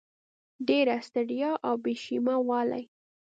ډېره ستړیا او بې شیمه والی